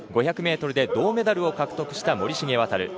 ５００ｍで銅メダルを獲得した森重航。